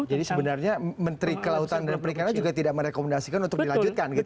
jadi sebenarnya menteri keluatan dan perikanan juga tidak merekomendasikan untuk dilanjutkan gitu ya